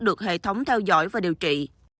được hệ thống theo dõi và điều trị